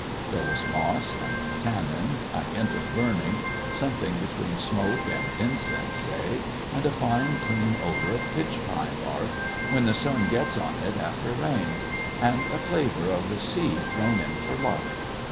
There was moss and tannin, a hint of burning, something between smoke and incense, say, and a fine clean odour of pitch pine bark when the sun gets on it after rain and a flavour of the sea thrown in for luck.